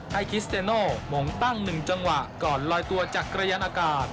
ให้คิสเตโน่มองตั้งหนึ่งจังหวะก่อนลอยตัวจากกระยะนากาศ